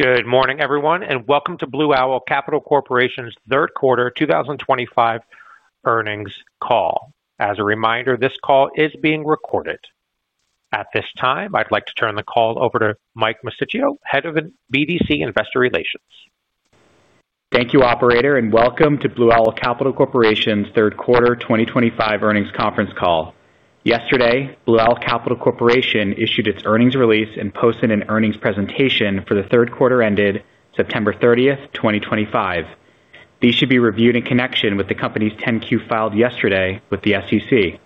Good morning, everyone, and welcome to Blue Owl Capital Corporation's third quarter 2025 earnings call. As a reminder, this call is being recorded. At this time, I'd like to turn the call over to Mike Mosticchio, Head of BDC Investor Relations. Thank you, Operator, and welcome to Blue Owl Capital Corporation's third quarter 2025 earnings conference call. Yesterday, Blue Owl Capital Corporation issued its earnings release and posted an earnings presentation for the third quarter ended September 30, 2025. These should be reviewed in connection with the company's 10-Q filed yesterday with the SEC.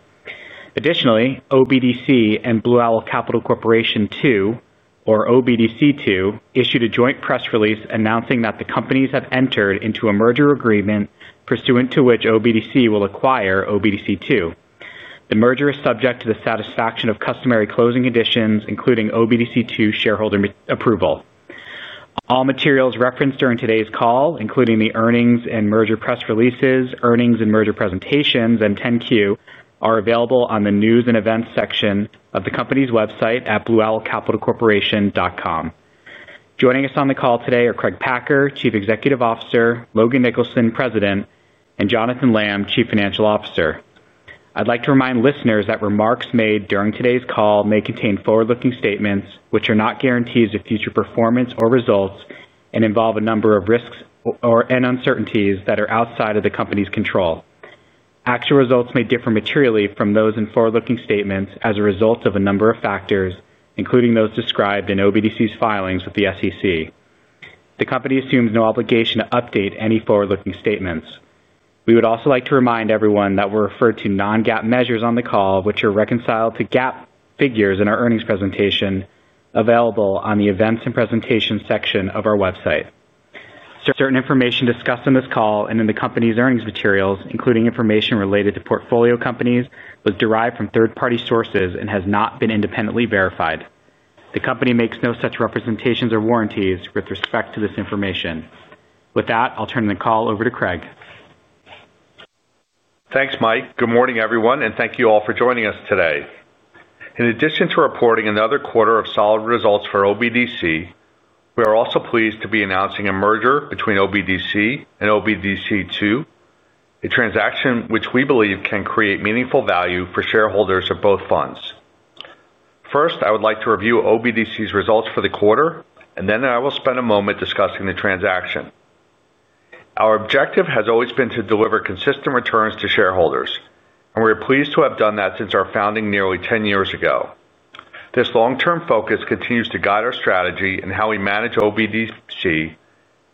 Additionally, OBDC and Blue Owl Capital Corporation II, or OBDC II, issued a joint press release announcing that the companies have entered into a Merger agreement pursuant to which OBDC will acquire OBDC II. The Merger is subject to the satisfaction of customary closing conditions, including OBDC II shareholder approval. All materials referenced during today's call, including the earnings and Merger press releases, earnings and Merger presentations, and 10-Q, are available on the News and Events section of the company's website at blueowlcapitalcorporation.com. Joining us on the call today are Craig Packer, Chief Executive Officer; Logan Nicholson, President; and Jonathan Lamm, Chief Financial Officer. I'd like to remind listeners that remarks made during today's call may contain forward-looking statements which are not guarantees of future performance or results and involve a number of risks and uncertainties that are outside of the company's control. Actual results may differ materially from those in forward-looking statements as a result of a number of factors, including those described in OBDC's filings with the SEC. The company assumes no obligation to update any forward-looking statements. We would also like to remind everyone that we refer to non-GAAP measures on the call, which are reconciled to GAAP figures in our earnings presentation available on the Events and Presentations section of our website. Certain information discussed in this call and in the company's earnings materials, including information related to Portfolio companies, was derived from third-party sources and has not been independently verified. The company makes no such representations or warranties with respect to this information. With that, I'll turn the call over to Craig. Thanks, Mike. Good morning, everyone, and thank you all for joining us today. In addition to reporting another quarter of solid results for OBDC, we are also pleased to be announcing a Merger between OBDC and OBDC II, a transaction which we believe can create meaningful value for shareholders of both funds. First, I would like to review OBDC's results for the quarter, and then I will spend a moment discussing the transaction. Our objective has always been to deliver consistent returns to shareholders, and we're pleased to have done that since our founding nearly 10 years ago. This long-term focus continues to guide our strategy and how we manage OBDC,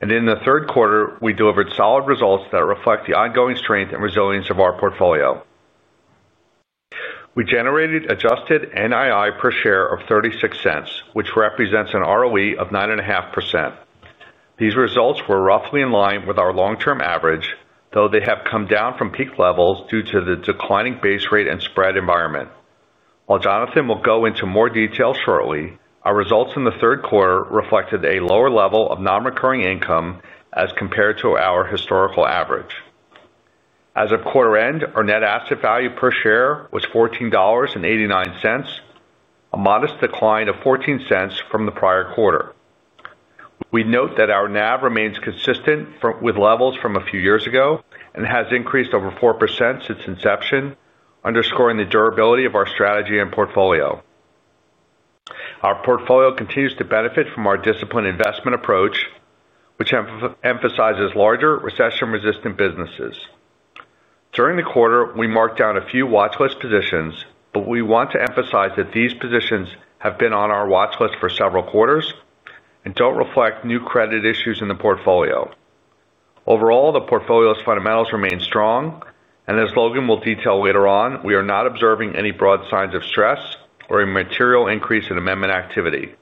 and in the third quarter, we delivered solid results that reflect the ongoing strength and resilience of our Portfolio. We generated Adjusted NII per share of $0.36, which represents an ROE of 9.5%. These results were roughly in line with our long-term average, though they have come down from peak levels due to the declining base rate and spread environment. While Jonathan will go into more detail shortly, our results in the third quarter reflected a lower level of non-recurring income as compared to our historical average. As of quarter end, our net asset value per share was $14.89. A modest decline of $0.14 from the prior quarter. We note that our NAV remains consistent with levels from a few years ago and has increased over 4% since inception, underscoring the durability of our strategy and Portfolio. Our Portfolio continues to benefit from our disciplined investment approach, which emphasizes larger, recession-resistant businesses. During the quarter, we marked down a few watchlist positions, but we want to emphasize that these positions have been on our watchlist for several quarters and do not reflect new credit issues in the Portfolio. Overall, the Portfolio's fundamentals remain strong, and as Logan will detail later on, we are not observing any broad signs of stress or a material increase in amendment activity.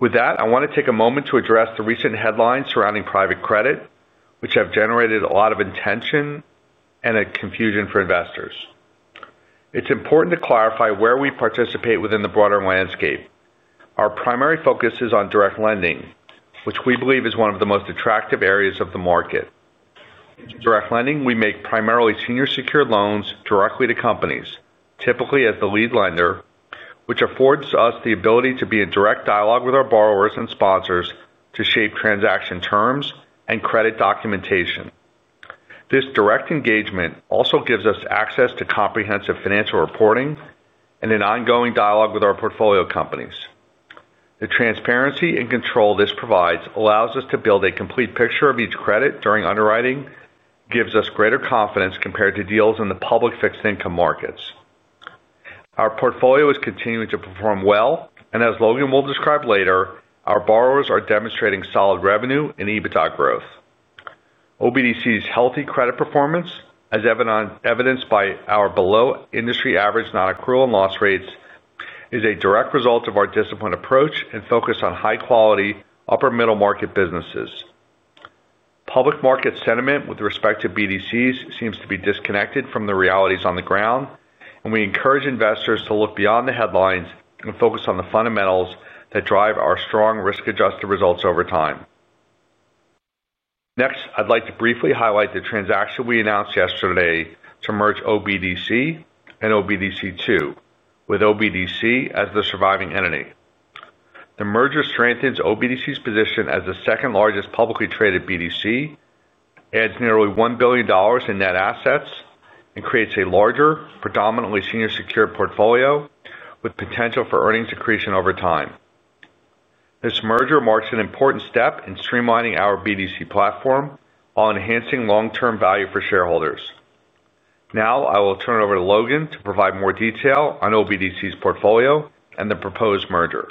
With that, I want to take a moment to address the recent headlines surrounding private credit, which have generated a lot of attention and confusion for investors. It is important to clarify where we participate within the broader landscape. Our primary focus is on direct lending, which we believe is one of the most attractive areas of the market. In direct lending, we make primarily senior-secured loans directly to companies, typically as the lead lender, which affords us the ability to be in direct dialogue with our borrowers and sponsors to shape transaction terms and credit documentation. This direct engagement also gives us access to comprehensive financial reporting and an ongoing dialogue with our Portfolio companies. The transparency and control this provides allows us to build a complete picture of each credit during underwriting, gives us greater confidence compared to deals in the public fixed income markets. Our Portfolio is continuing to perform well, and as Logan will describe later, our borrowers are demonstrating solid revenue and EBITDA growth. OBDC's healthy credit performance, as evidenced by our below-industry-average non-accrual and loss rates, is a direct result of our disciplined approach and focus on high-quality, upper-middle market businesses. Public market sentiment with respect to BDCs seems to be disconnected from the realities on the ground, and we encourage investors to look beyond the headlines and focus on the fundamentals that drive our strong, risk-adjusted results over time. Next, I'd like to briefly highlight the transaction we announced yesterday to merge OBDC and OBDC II, with OBDC as the surviving entity. The Merger strengthens OBDC's position as the second-largest publicly traded BDC. Adds nearly $1 billion in net assets, and creates a larger, predominantly senior-secured Portfolio with potential for earnings accretion over time. This Merger marks an important step in streamlining our BDC Platform while enhancing long-term value for shareholders. Now, I will turn it over to Logan to provide more detail on OBDC's Portfolio and the proposed Merger.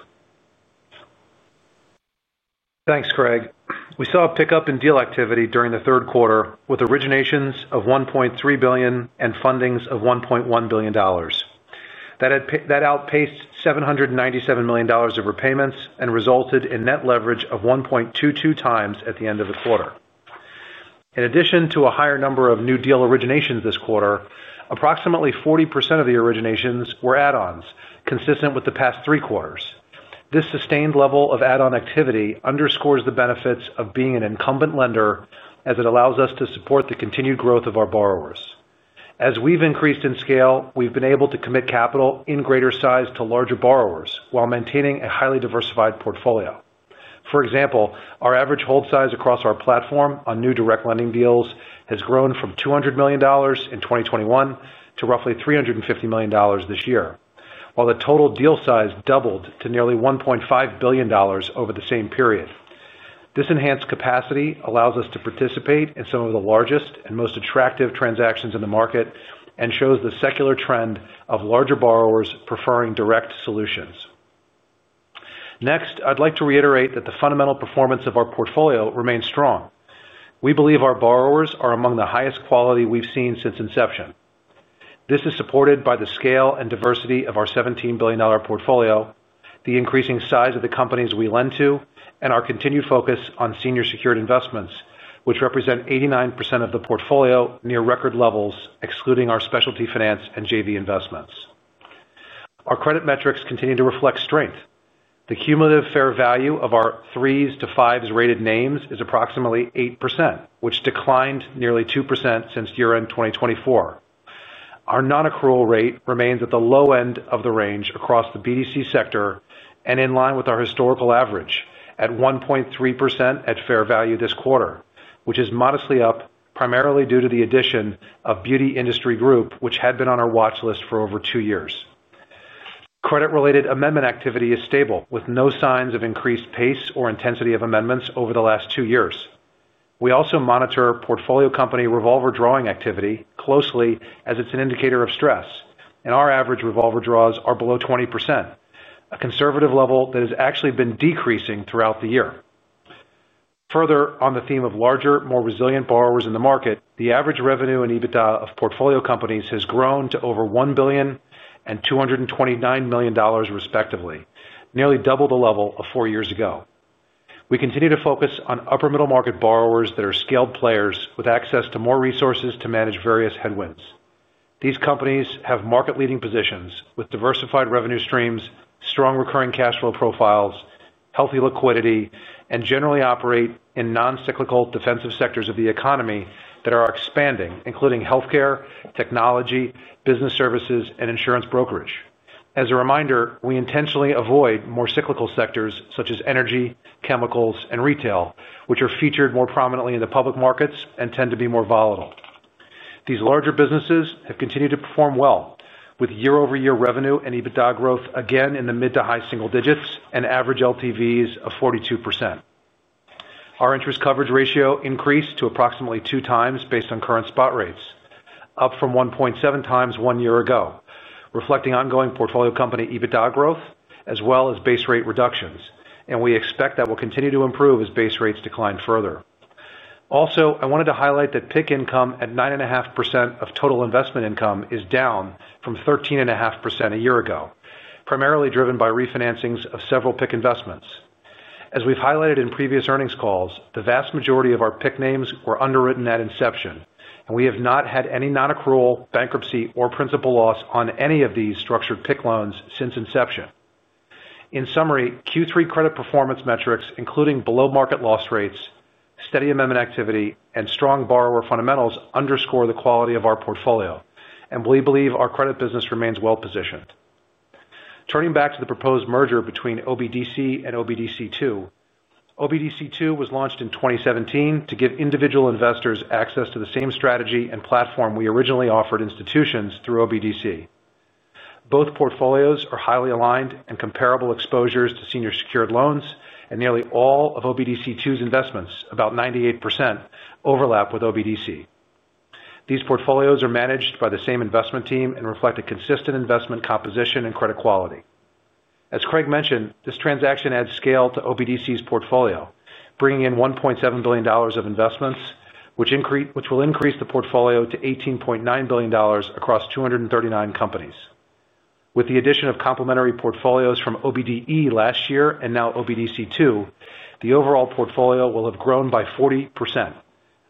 Thanks, Craig. We saw a pickup in deal activity during the third quarter with originations of $1.3 billion and fundings of $1.1 billion. That outpaced $797 million of repayments and resulted in net leverage of 1.22 times at the end of the quarter. In addition to a higher number of new deal originations this quarter, approximately 40% of the originations were add-ons, consistent with the past three quarters. This sustained level of add-on activity underscores the benefits of being an incumbent lender as it allows us to support the continued growth of our borrowers. As we've increased in scale, we've been able to commit capital in greater size to larger borrowers while maintaining a highly diversified Portfolio. For example, our average hold size across our Platform on new direct lending deals has grown from $200 million in 2021 to roughly $350 million this year, while the total deal size doubled to nearly $1.5 billion over the same period. This enhanced capacity allows us to participate in some of the largest and most attractive transactions in the market and shows the secular trend of larger borrowers preferring direct solutions. Next, I'd like to reiterate that the fundamental performance of our Portfolio remains strong. We believe our borrowers are among the highest quality we've seen since inception. This is supported by the scale and diversity of our $17 billion Portfolio, the increasing size of the companies we lend to, and our continued focus on senior-secured investments, which represent 89% of the Portfolio near record levels excluding our specialty finance and JV investments. Our credit metrics continue to reflect strength. The cumulative fair value of our threes to fives-rated names is approximately 8%, which declined nearly 2% since year-end 2024. Our non-accrual rate remains at the low end of the range across the BDC sector and in line with our historical average at 1.3% at fair value this quarter, which is modestly up primarily due to the addition of Beauty Industry Group, which had been on our watchlist for over two years. Credit-related amendment activity is stable, with no signs of increased pace or intensity of amendments over the last two years. We also monitor Portfolio company revolver drawing activity closely as it's an indicator of stress, and our average revolver draws are below 20%, a conservative level that has actually been decreasing throughout the year. Further, on the theme of larger, more resilient borrowers in the market, the average revenue and EBITDA of Portfolio companies has grown to over $1 billion and $229 million, respectively, nearly double the level of four years ago. We continue to focus on upper-middle market borrowers that are scaled players with access to more resources to manage various headwinds. These companies have market-leading positions with diversified revenue streams, strong recurring cash flow profiles, healthy liquidity, and generally operate in non-cyclical defensive sectors of the economy that are expanding, including healthcare, technology, business services, and insurance brokerage. As a reminder, we intentionally avoid more cyclical sectors such as energy, chemicals, and retail, which are featured more prominently in the public markets and tend to be more volatile. These larger businesses have continued to perform well, with year-over-year revenue and EBITDA growth again in the mid to high single digits and average LTVs of 42%. Our interest coverage ratio increased to approximately two times based on current spot rates, up from 1.7x one year ago, reflecting ongoing Portfolio company EBITDA growth as well as base rate reductions, and we expect that will continue to improve as base rates decline further. Also, I wanted to highlight that PIC income at 9.5% of total investment income is down from 13.5% a year ago, primarily driven by refinancings of several PIC investments. As we've highlighted in previous earnings calls, the vast majority of our PIC names were underwritten at inception, and we have not had any non-accrual, bankruptcy, or principal loss on any of these structured PIC loans since inception. In summary, Q3 credit performance metrics, including below-market loss rates, steady amendment activity, and strong borrower fundamentals underscore the quality of our Portfolio, and we believe our credit business remains well-positioned. Turning back to the proposed Merger between OBDC and OBDC II, OBDC II was launched in 2017 to give individual investors access to the same strategy and Platform we originally offered institutions through OBDC. Both Portfolios are highly aligned and comparable exposures to senior-secured loans, and nearly all of OBDC II's investments, about 98%, overlap with OBDC. These Portfolios are managed by the same investment team and reflect a consistent investment composition and credit quality. As Craig mentioned, this transaction adds scale to OBDC's Portfolio, bringing in $1.7 billion of investments, which will increase the Portfolio to $18.9 billion across 239 companies. With the addition of complementary Portfolios from OBDC last year and now OBDC II, the overall Portfolio will have grown by 40%,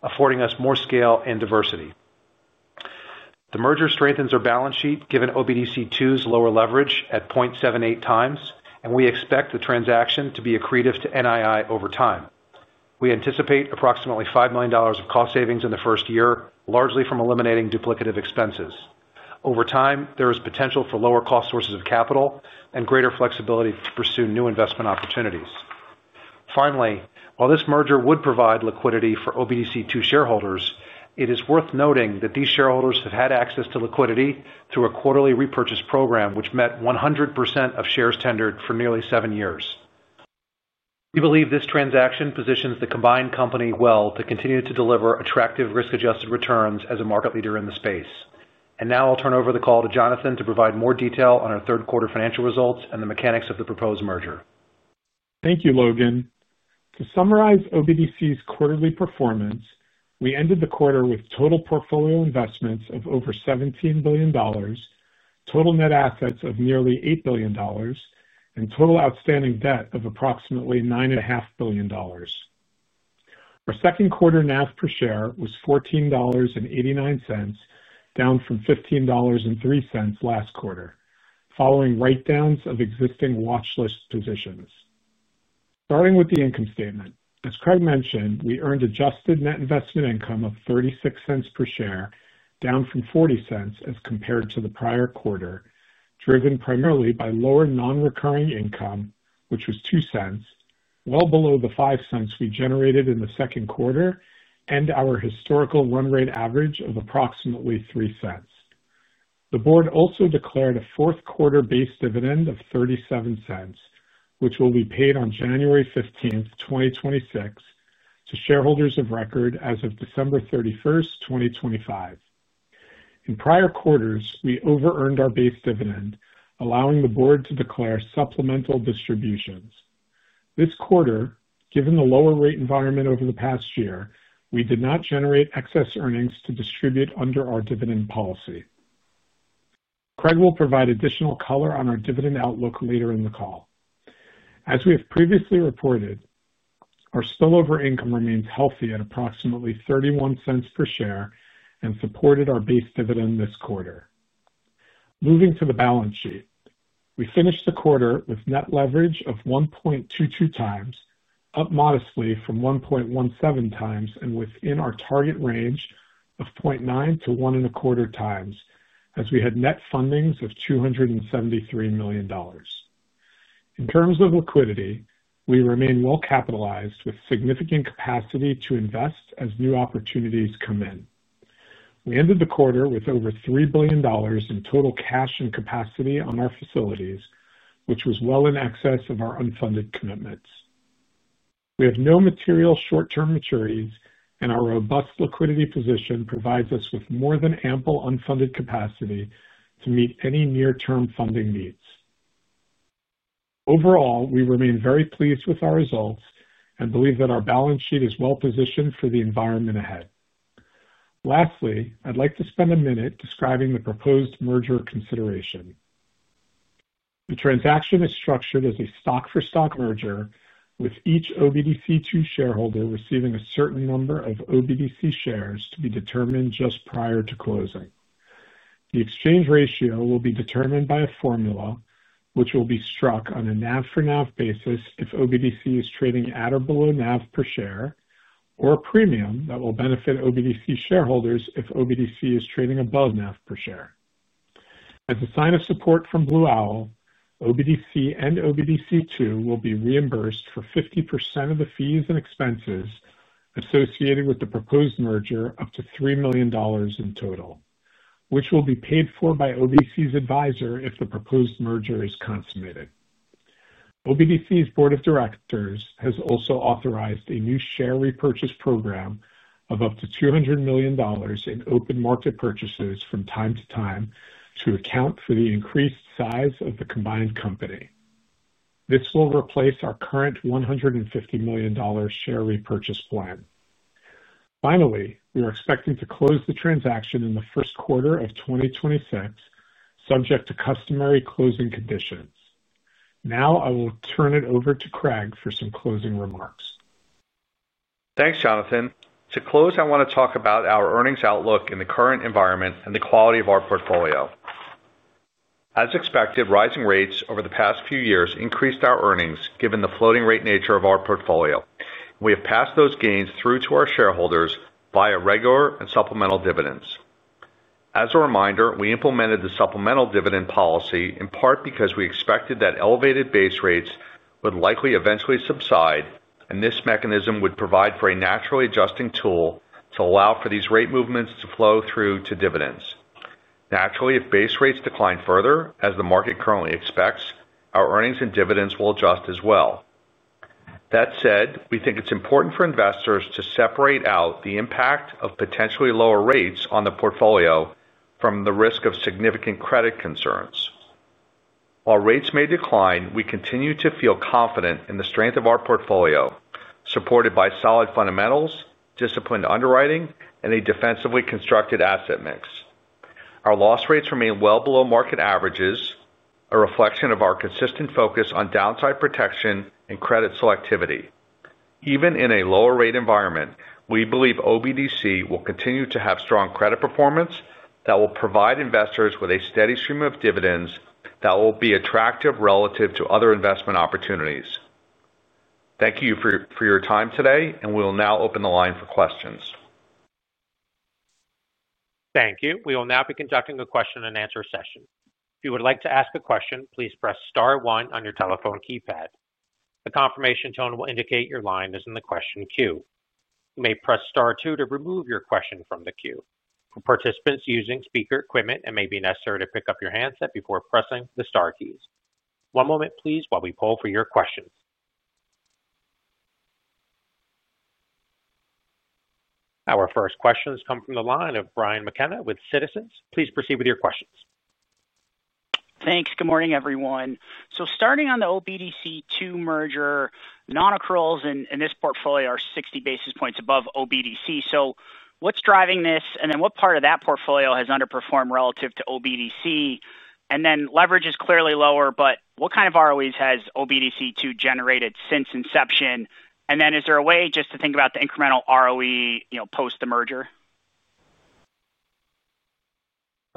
affording us more scale and diversity. The Merger strengthens our balance sheet given OBDC II's lower leverage at 0.78x, and we expect the transaction to be accretive to NII over time. We anticipate approximately $5 million of cost savings in the first year, largely from eliminating duplicative expenses. Over time, there is potential for lower cost sources of capital and greater flexibility to pursue new investment opportunities. Finally, while this Merger would provide liquidity for OBDC II shareholders, it is worth noting that these shareholders have had access to liquidity through a quarterly repurchase program, which met 100% of shares tendered for nearly seven years. We believe this transaction positions the combined company well to continue to deliver attractive risk-adjusted returns as a market leader in the space. I will now turn over the call to Jonathan to provide more detail on our third-quarter financial results and the mechanics of the proposed Merger. Thank you, Logan. To summarize OBDC's quarterly performance, we ended the quarter with total Portfolio investments of over $17 billion, total net assets of nearly $8 billion, and total outstanding debt of approximately $9.5 billion. Our second-quarter NAV per share was $14.89, down from $15.03 last quarter, following write-downs of existing watchlist positions. Starting with the income statement, as Craig mentioned, we earned adjusted net investment income of $0.36 per share, down from $0.40 as compared to the prior quarter, driven primarily by lower non-recurring income, which was $0.02, well below the $0.05 we generated in the second quarter and our historical run rate average of approximately $0.03. The board also declared a fourth-quarter base Dividend of $0.37, which will be paid on January 15, 2026, to shareholders of record as of December 31, 2025. In prior quarters, we over-earned our base Dividend, allowing the board to declare Supplemental distributions. This quarter, given the lower rate environment over the past year, we did not generate excess earnings to distribute under our Dividend policy. Craig will provide additional color on our Dividend outlook later in the call. As we have previously reported, our spillover income remains healthy at approximately $0.31 per share and supported our base Dividend this quarter. Moving to the balance sheet, we finished the quarter with net leverage of 1.22 times, up modestly from 1.17 times and within our target range of 0.9-1.25x as we had net fundings of $273 million. In terms of liquidity, we remain well-capitalized with significant capacity to invest as new opportunities come in. We ended the quarter with over $3 billion in total cash and capacity on our facilities, which was well in excess of our unfunded commitments. We have no material short-term maturities, and our robust liquidity position provides us with more than ample unfunded capacity to meet any near-term funding needs. Overall, we remain very pleased with our results and believe that our balance sheet is well-positioned for the environment ahead. Lastly, I'd like to spend a minute describing the proposed Merger consideration. The transaction is structured as a stock-for-stock Merger, with each OBDC II shareholder receiving a certain number of OBDC shares to be determined just prior to closing. The exchange ratio will be determined by a formula, which will be struck on a NAV-for-NAV basis if OBDC is trading at or below NAV per share, or a premium that will benefit OBDC shareholders if OBDC is trading above NAV per share. As a sign of support from Blue Owl, OBDC and OBDC II will be reimbursed for 50% of the fees and expenses associated with the proposed Merger up to $3 million in total, which will be paid for by OBDC's advisor if the proposed Merger is consummated. OBDC's board of directors has also authorized a new Share Repurchase Program of up to $200 million in open market purchases from time to time to account for the increased size of the combined company. This will replace our current $150 million share repurchase plan. Finally, we are expecting to close the transaction in the first quarter of 2026, subject to customary closing conditions. Now I will turn it over to Craig for some closing remarks. Thanks, Jonathan. To close, I want to talk about our earnings outlook in the current environment and the quality of our Portfolio. As expected, rising rates over the past few years increased our earnings given the floating-rate nature of our Portfolio. We have passed those gains through to our shareholders via regular and Supplemental Dividends. As a reminder, we implemented the Supplemental Dividend policy in part because we expected that elevated base rates would likely eventually subside, and this mechanism would provide for a naturally adjusting tool to allow for these rate movements to flow through to Dividends. Naturally, if base rates decline further, as the market currently expects, our earnings and Dividends will adjust as well. That said, we think it's important for investors to separate out the impact of potentially lower rates on the Portfolio from the risk of significant credit concerns. While rates may decline, we continue to feel confident in the strength of our Portfolio, supported by solid fundamentals, disciplined underwriting, and a defensively constructed asset mix. Our loss rates remain well below market averages, a reflection of our consistent focus on downside protection and credit selectivity. Even in a lower-rate environment, we believe OBDC will continue to have strong credit performance that will provide investors with a steady stream of Dividends that will be attractive relative to other investment opportunities. Thank you for your time today, and we will now open the line for questions. Thank you. We will now be conducting a question-and-answer session. If you would like to ask a question, please press Star One on your telephone keypad. The confirmation tone will indicate your line is in the question queue. You may press Star Two to remove your question from the queue. For participants using speaker equipment, it may be necessary to pick up your handset before pressing the Star keys. One moment, please, while we poll for your questions. Our first questions come from the line of Brian McKenna with Citizens. Please proceed with your questions. Thanks. Good morning, everyone. Starting on the OBDC II Merger, non-accruals in this Portfolio are 60 basis points above OBDC. What is driving this, and what part of that Portfolio has underperformed relative to OBDC? Leverage is clearly lower, but what kind of ROEs has OBDC II generated since inception? Is there a way just to think about the incremental ROE post the Merger?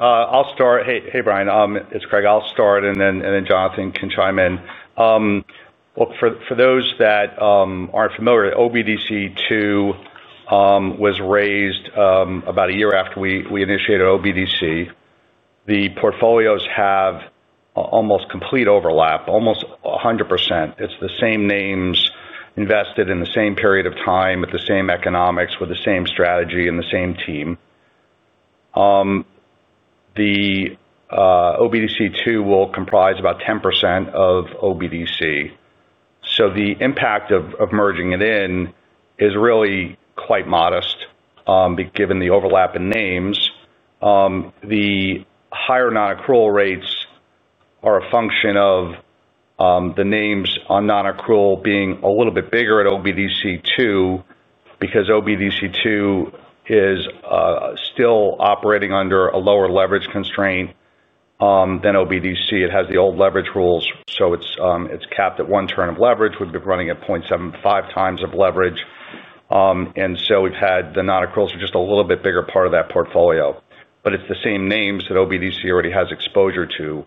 I'll start. Hey, Brian. It's Craig. I'll start, and then Jonathan can chime in. For those that aren't familiar, OBDC II was raised about a year after we initiated OBDC. The Portfolios have almost complete overlap, almost 100%. It's the same names invested in the same period of time with the same economics, with the same strategy, and the same team. OBDC II will comprise about 10% of OBDC. The impact of merging it in is really quite modest given the overlap in names. The higher non-accrual rates are a function of the names on non-accrual being a little bit bigger at OBDC II because OBDC II is still operating under a lower leverage constraint than OBDC. It has the old leverage rules, so it's capped at one turn of leverage. We've been running at 0.75x of leverage. We have had the non-accruals for just a little bit bigger part of that Portfolio. It is the same names that OBDC already has exposure to.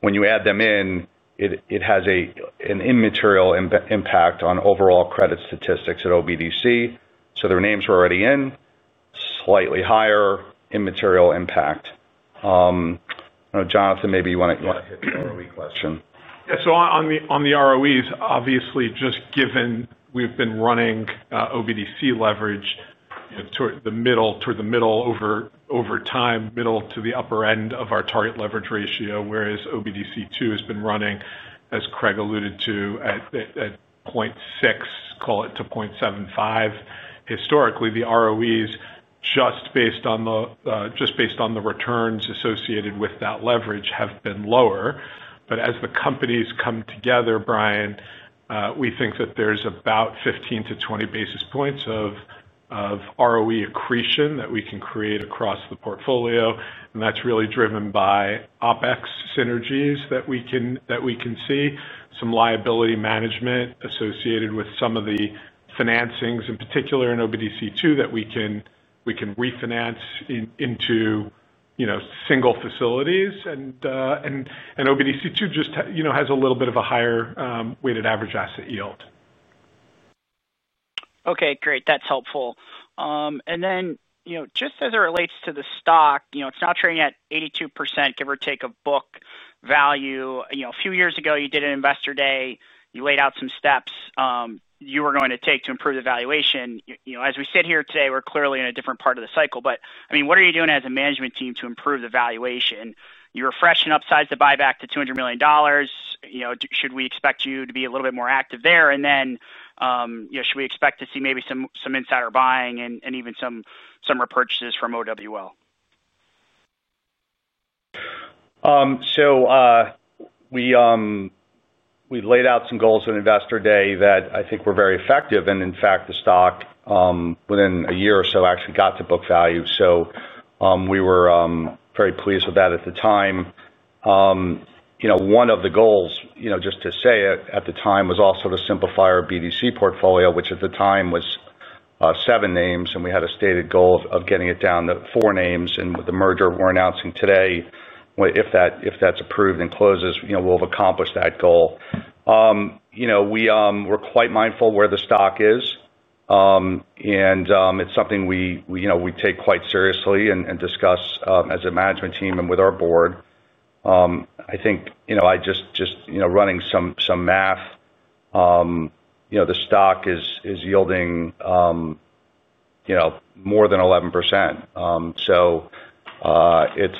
When you add them in, it has an immaterial impact on overall credit statistics at OBDC. Their names were already in. Slightly higher immaterial impact. I do not know, Jonathan, maybe you want to hit the ROE question. Yeah. On the ROEs, obviously, just given we've been running OBDC leverage toward the middle over time, middle to the upper end of our target leverage ratio, whereas OBDC II has been running, as Craig alluded to, at 0.6, call it to 0.75. Historically, the ROEs, just based on the returns associated with that leverage, have been lower. As the companies come together, Brian, we think that there's about 15-20 basis points of ROE accretion that we can create across the Portfolio. That's really driven by OpEx synergies that we can see, some liability management associated with some of the financings, in particular in OBDC II, that we can refinance into single facilities. OBDC II just has a little bit of a higher weighted average asset yield. Okay. Great. That's helpful. And then just as it relates to the stock, it's now trading at 82%, give or take, of book value. A few years ago, you did an investor day. You laid out some steps you were going to take to improve the valuation. As we sit here today, we're clearly in a different part of the cycle. I mean, what are you doing as a management team to improve the valuation? You're fresh and upsized the buyback to $200 million. Should we expect you to be a little bit more active there? Should we expect to see maybe some insider buying and even some repurchases from OWL? We laid out some goals on investor day that I think were very effective. In fact, the stock within a year or so actually got to book value. We were very pleased with that at the time. One of the goals, just to say it at the time, was also to simplify our BDC Portfolio, which at the time was seven names. We had a stated goal of getting it down to four names. With the Merger we are announcing today, if that is approved and closes, we will have accomplished that goal. We are quite mindful where the stock is. It is something we take quite seriously and discuss as a management team and with our board. I think just running some math, the stock is yielding more than 11%. It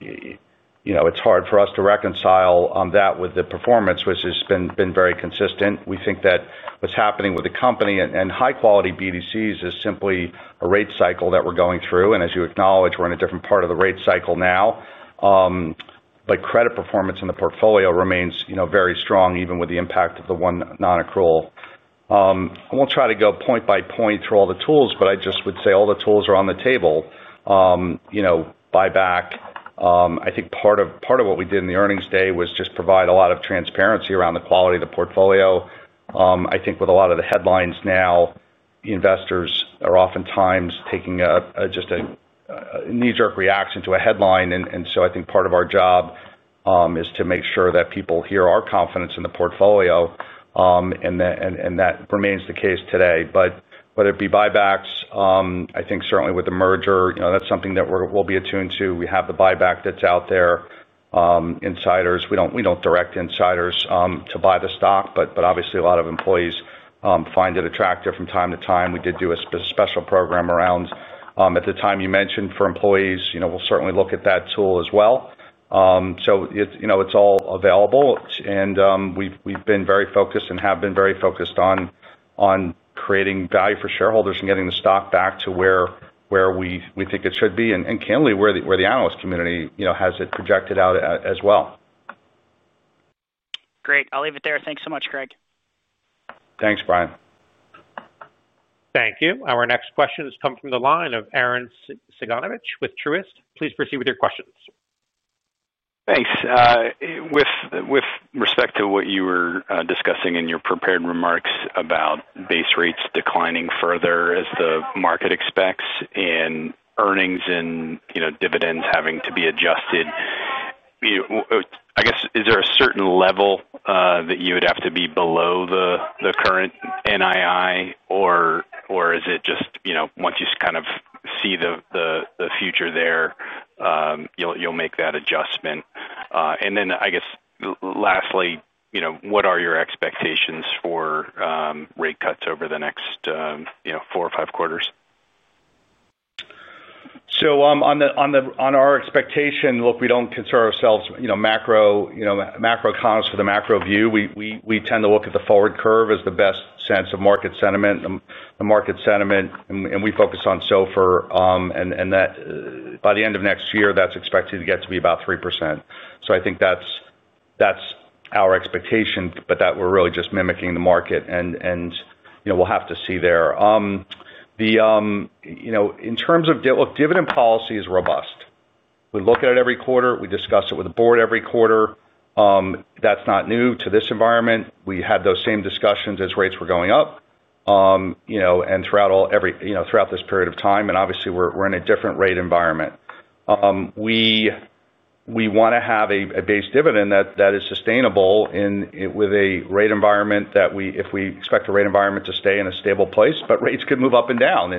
is hard for us to reconcile that with the performance, which has been very consistent. We think that what's happening with the company and high-quality BDCs is simply a rate cycle that we're going through. As you acknowledge, we're in a different part of the rate cycle now. Credit performance in the Portfolio remains very strong, even with the impact of the one non-accrual. I won't try to go point by point through all the tools, but I just would say all the tools are on the table. Buyback. I think part of what we did in the Earnings Day was just provide a lot of transparency around the quality of the Portfolio. I think with a lot of the headlines now, investors are oftentimes taking just a knee-jerk reaction to a headline. I think part of our job is to make sure that people hear our confidence in the Portfolio, and that remains the case today. Whether it be buybacks, I think certainly with the Merger, that's something that we'll be attuned to. We have the buyback that's out there. Insiders. We don't direct insiders to buy the stock, but obviously, a lot of employees find it attractive from time to time. We did do a special program around, at the time you mentioned, for employees. We'll certainly look at that tool as well. It is all available. We have been very focused on creating value for shareholders and getting the stock back to where we think it should be, and candidly, where the analyst community has it projected out as well. Great. I'll leave it there. Thanks so much, Craig. Thanks, Brian. Thank you. Our next question has come from the line of Arren Cyganovich with Truist. Please proceed with your questions. Thanks. With respect to what you were discussing in your prepared remarks about base rates declining further as the market expects and earnings and Dividends having to be adjusted. I guess, is there a certain level that you would have to be below the current NII, or is it just once you kind of see the future there, you'll make that adjustment? I guess, lastly, what are your expectations for rate cuts over the next four or five quarters? On our expectation, look, we do not consider ourselves macroeconomists with a macro view. We tend to look at the forward curve as the best sense of market sentiment. We focus on SOFR. By the end of next year, that is expected to get to be about 3%. I think that is our expectation, but we are really just mimicking the market. We will have to see there. In terms of Dividend policy, it is robust. We look at it every quarter. We discuss it with the board every quarter. That is not new to this environment. We had those same discussions as rates were going up and throughout this period of time. Obviously, we are in a different rate environment. We. Want to have a base Dividend that is sustainable with a rate environment that if we expect a rate environment to stay in a stable place, but rates could move up and down.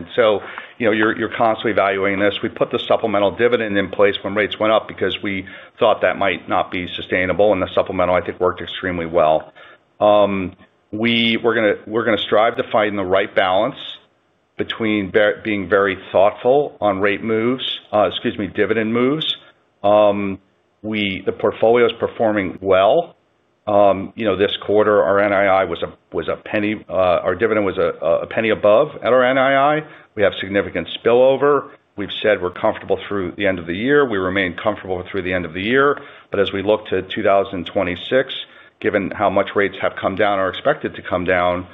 You are constantly evaluating this. We put the Supplemental Dividend in place when rates went up because we thought that might not be sustainable. The Supplemental, I think, worked extremely well. We are going to strive to find the right balance between being very thoughtful on rate moves, excuse me, Dividend moves. The Portfolio is performing well. This quarter, our NII was a penny; our Dividend was a penny above our NII. We have significant spillover. We have said we are comfortable through the end of the year. We remain comfortable through the end of the year. As we look to 2026, given how much rates have come down or are expected to come down.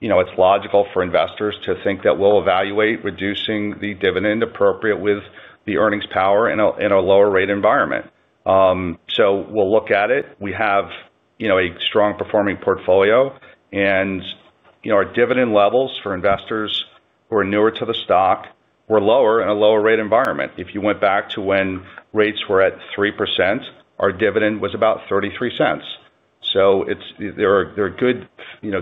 It's logical for investors to think that we'll evaluate reducing the Dividend appropriate with the earnings power in a lower rate environment. We will look at it. We have a strong-performing Portfolio. Our Dividend levels for investors who are newer to the stock were lower in a lower rate environment. If you went back to when rates were at 3%, our Dividend was about $0.33. There are good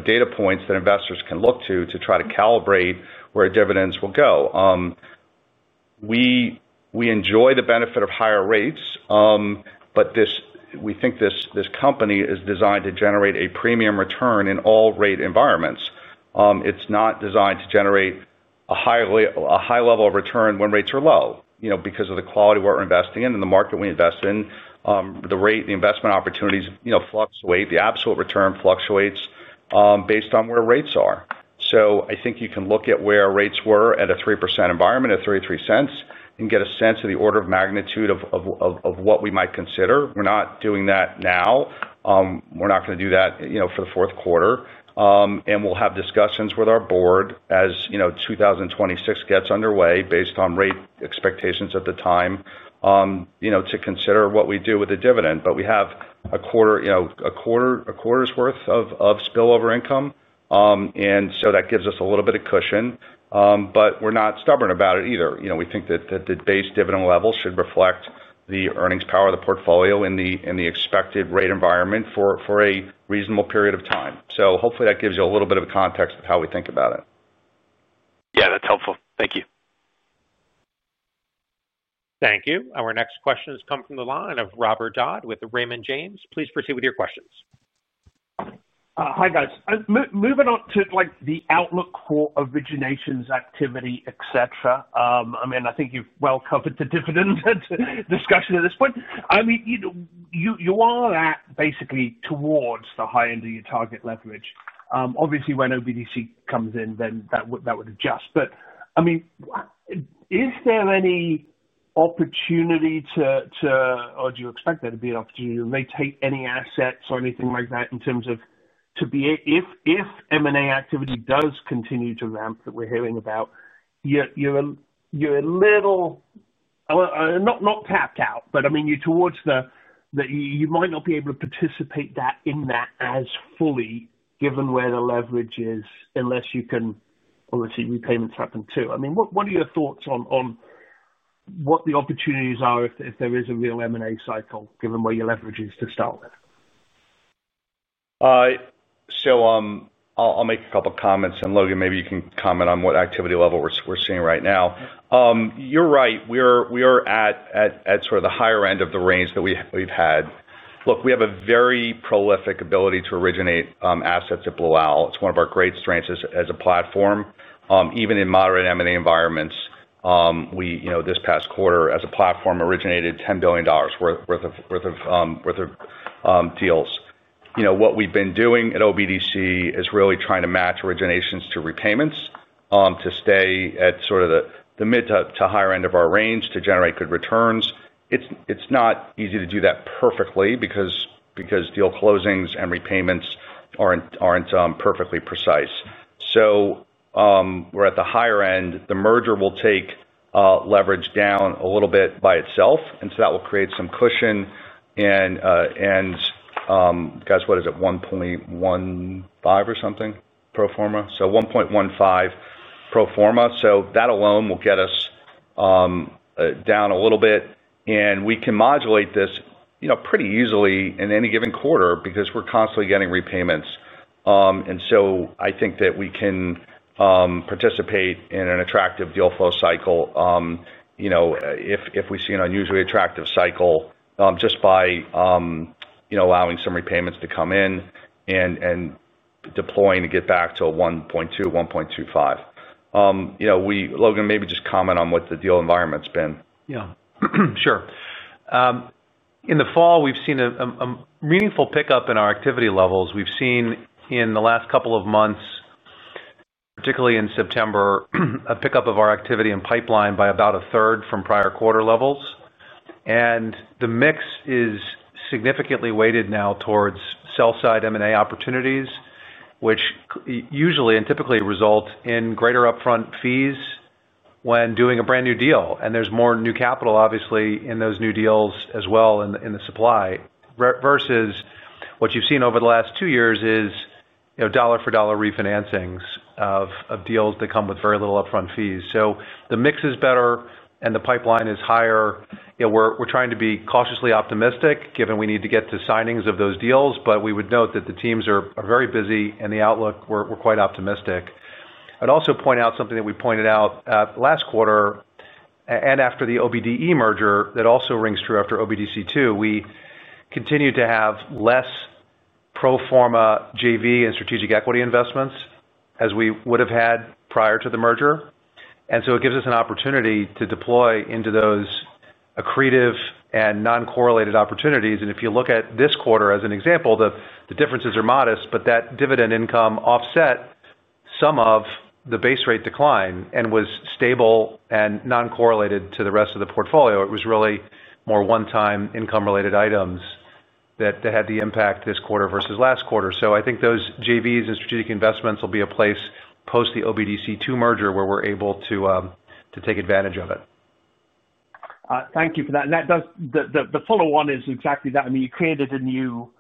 data points that investors can look to to try to calibrate where Dividends will go. We enjoy the benefit of higher rates, but we think this company is designed to generate a premium return in all rate environments. It is not designed to generate a high level of return when rates are low. Because of the quality we are investing in and the market we invest in, the rate, the investment opportunities fluctuate. The absolute return fluctuates based on where rates are. I think you can look at where rates were at a 3% environment, at $0.33, and get a sense of the order of magnitude of what we might consider. We're not doing that now. We're not going to do that for the fourth quarter. We'll have discussions with our board as 2026 gets underway based on rate expectations at the time to consider what we do with the Dividend. We have a quarter's worth of spillover income, and that gives us a little bit of cushion. We're not stubborn about it either. We think that the base Dividend level should reflect the earnings power of the Portfolio in the expected rate environment for a reasonable period of time. Hopefully, that gives you a little bit of context of how we think about it. Yeah. That's helpful. Thank you. Thank you. Our next question has come from the line of Robert Dodd with Raymond James. Please proceed with your questions. Hi, guys. Moving on to the outlook for originations activity, etc., I mean, I think you've well covered the Dividend discussion at this point. I mean, you are basically towards the high end of your target leverage. Obviously, when OBDC comes in, then that would adjust. I mean, is there any opportunity to—or do you expect there to be an opportunity to rotate any assets or anything like that in terms of—to be if M&A activity does continue to ramp that we're hearing about. You're a little—not tapped out, but I mean, you're towards the—you might not be able to participate in that as fully given where the leverage is unless you can—obviously, repayments happen too. I mean, what are your thoughts on what the opportunities are if there is a real M&A cycle given where your leverage is to start with? I'll make a couple of comments. Logan, maybe you can comment on what activity level we're seeing right now. You're right. We are at sort of the higher end of the range that we've had. Look, we have a very prolific ability to originate assets at Blue Owl. It's one of our great strengths as a Platform. Even in moderate M&A environments, this past quarter, as a Platform, originated $10 billion worth of deals. What we've been doing at OBDC is really trying to match originations to repayments to stay at sort of the mid to higher end of our range to generate good returns. It's not easy to do that perfectly because deal closings and repayments aren't perfectly precise. We're at the higher end. The Merger will take leverage down a little bit by itself. That will create some cushion. Guys, what is it? 1.15 or pro forma? So pro forma. That alone will get us down a little bit. We can modulate this pretty easily in any given quarter because we're constantly getting repayments. I think that we can participate in an attractive deal flow cycle. If we see an unusually attractive cycle just by allowing some repayments to come in and deploying to get back to 1.2-1.25. Logan, maybe just comment on what the deal environment's been. Yeah. Sure. In the fall, we've seen a meaningful pickup in our activity levels. We've seen in the last couple of months, particularly in September, a pickup of our activity and pipeline by about a third from prior quarter levels. The mix is significantly weighted now towards sell-side M&A opportunities, which usually and typically result in greater upfront fees when doing a brand new deal. There's more new capital, obviously, in those new deals as well in the supply versus what you've seen over the last two years is dollar-for-dollar refinancings of deals that come with very little upfront fees. The mix is better, and the pipeline is higher. We're trying to be cautiously optimistic given we need to get to signings of those deals. We would note that the teams are very busy, and the outlook, we're quite optimistic. I'd also point out something that we pointed out last quarter. After the OBDC Merger, that also rings true after OBDC II, we continue to have pro forma JV and strategic equity investments as we would have had prior to the Merger. It gives us an opportunity to deploy into those accretive and non-correlated opportunities. If you look at this quarter as an example, the differences are modest, but that Dividend income offset some of the base rate decline and was stable and non-correlated to the rest of the Portfolio. It was really more one-time income-related items that had the impact this quarter versus last quarter. I think those JVs and strategic investments will be a place post the OBDC II Merger where we're able to take advantage of it. Thank you for that. The follow-on is exactly that. I mean, you created a new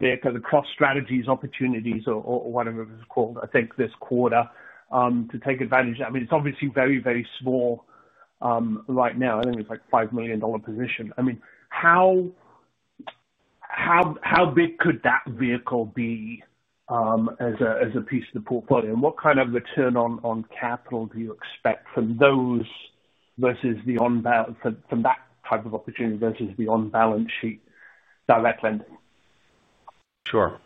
bit called cross-strategy opportunities, or whatever it was called, I think, this quarter to take advantage of that. I mean, it's obviously very, very small right now. I think it's like a $5 million position. I mean, how big could that Vehicle be as a piece of the Portfolio? What kind of return on capital do you expect from those versus the on that type of opportunity versus the on-balance sheet direct lending? Sure.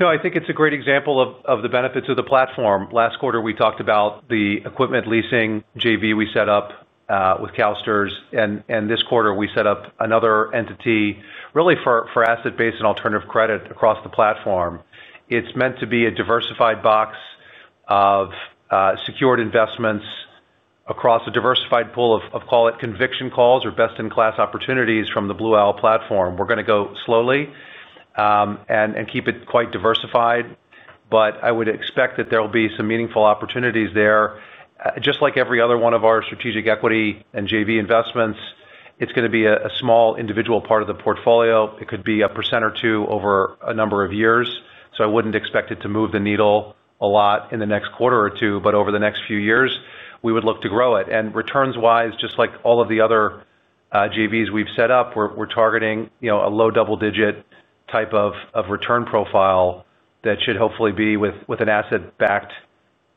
No, I think it's a great example of the benefits of the Platform. Last quarter, we talked about the equipment leasing JV we set up with CalSTRS, and this quarter, we set up another entity really for asset-based and alternative credit across the Platform. It's meant to be a diversified box of secured investments across a diversified pool of, call it, conviction calls or best-in-class opportunities from the Blue Owl Platform. We're going to go slowly. Keep it quite diversified. I would expect that there will be some meaningful opportunities there. Just like every other one of our strategic equity and JV investments, it's going to be a small individual part of the Portfolio. It could be a percent or two over a number of years. I wouldn't expect it to move the needle a lot in the next quarter or two, but over the next few years, we would look to grow it. Returns-wise, just like all of the other JVs we've set up, we're targeting a low double-digit type of return profile that should hopefully be with an asset-backed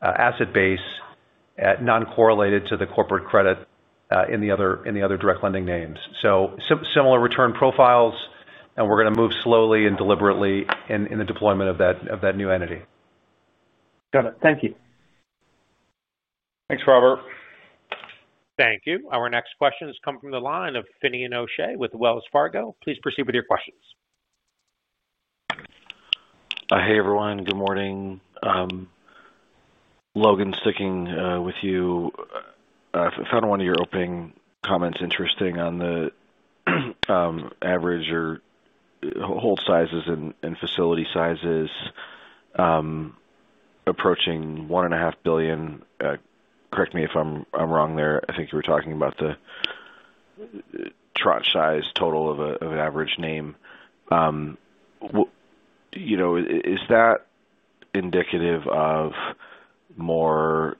asset base non-correlated to the corporate credit in the other direct lending names. Similar return profiles, and we're going to move slowly and deliberately in the deployment of that new entity. Got it. Thank you. Thanks, Robert. Thank you. Our next question has come from the line of Finian O'Shea with Wells Fargo. Please proceed with your questions. Hey, everyone. Good morning. Logan, sticking with you. I found one of your opening comments interesting on the average or hold sizes and facility sizes approaching $1.5 billion. Correct me if I'm wrong there. I think you were talking about the tranche size total of an average name. Is that indicative of more